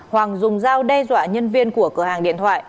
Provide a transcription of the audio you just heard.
hoàng dùng dao đe dọa nhân viên của cửa hàng điện thoại